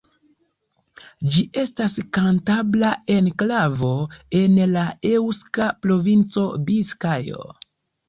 Ĝi estas kantabra enklavo en la eŭska provinco Biskajo.